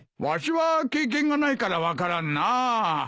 わしは経験がないから分からんなあ。